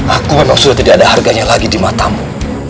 aku menaksudnya tidak ada harganya lagi di matamu